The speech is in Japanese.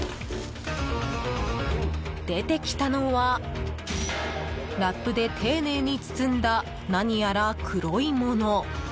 出てきたのはラップで丁寧に包んだ何やら黒いもの。